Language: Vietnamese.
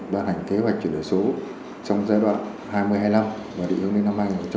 ban hành kế hoạch chuyển đổi số trong giai đoạn hai nghìn hai mươi năm và định hướng đến năm hai nghìn ba mươi